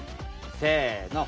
せの。